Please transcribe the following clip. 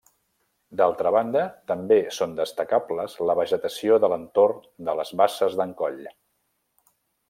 D'altra banda, també són destacables la vegetació de l'entorn de les Basses d'en Coll.